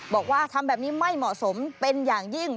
บอกว่าทำแบบนี้ไม่เหมาะสมเป็นอย่างยิ่ง